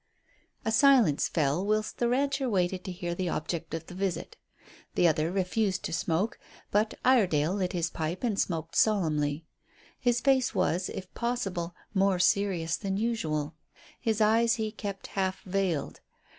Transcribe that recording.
A silence fell whilst the rancher waited to hear the object of the visit. The other refused to smoke, but Iredale lit his pipe and smoked solemnly. His face was, if possible, more serious than usual. His eyes he kept half veiled.